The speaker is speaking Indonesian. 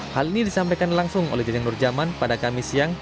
hal ini disampaikan langsung oleh jajang nurjaman pada kamis siang